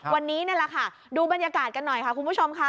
วันนี้ดูบรรยากาศกันหน่อยค่ะคุณผู้ชมคะ